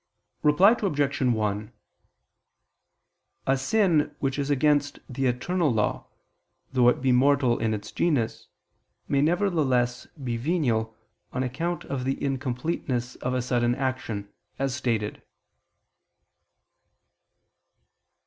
Reply Obj. 1: A sin which is against the eternal law, though it be mortal in its genus, may nevertheless be venial, on account of the incompleteness of a sudden action, as stated.